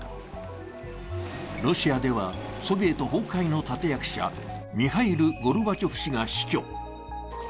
ロシアではソビエト崩壊の立て役者ミハイル・ゴルバチョフ氏が死去。